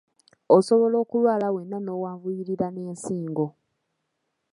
Osobola okulwala wenna n'owanvuyirira n'ensingo.